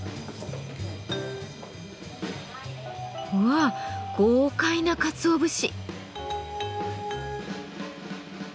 わあ豪快なかつお節。